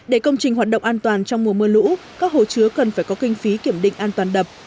để công trình hoạt động an toàn trong mùa mưa lũ các hồ chứa cần phải có kinh phí kiểm định an toàn đập